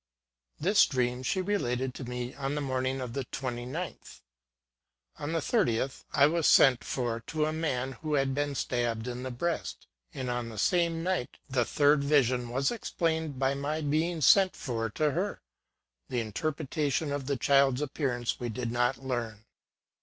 This dream she related to me on the morning of the 29th. On the 30th, I was sent for to a man who had been stabbed in the breast ; and, on the same night, the third vision was explained by my being sent for to her. The in terpretation of the child's appearance we did not learn.